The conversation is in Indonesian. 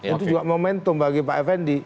itu juga momentum bagi pak effendi